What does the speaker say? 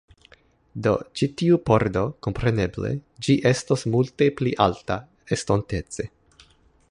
Do, ĉi tiu pordo, kompreneble, ĝi estos multe pli alta, estontece